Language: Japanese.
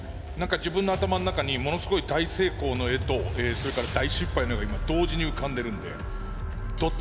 自分の頭の中にものすごい大成功の絵とそれから大失敗の絵が今同時に浮かんでるんでどっちが出ても僕は楽しみです。